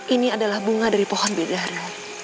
ini adalah bunga dari pohon bidah dari